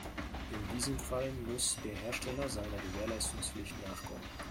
In diesem Fall muss der Hersteller seiner Gewährleistungspflicht nachkommen.